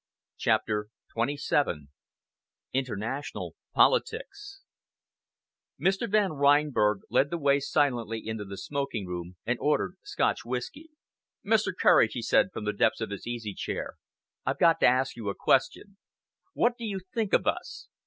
CHAPTER XXVII INTERNATIONAL POLITICS Mr. Van Reinberg led the way silently into the smoking room, and ordered Scotch whisky. "Mr. Courage," he said from the depths of his easy chair, "I've got to ask you a question. What do you think of us?"